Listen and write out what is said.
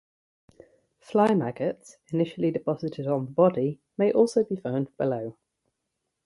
Fly maggots, initially deposited on the body, may also be found below.